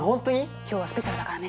今日はスペシャルだからね。